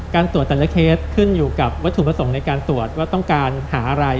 การตรวจแต่ละเคสขึ้นอยู่กับวัตถุประสงค์ในการตรวจว่าต้องการหาอะไร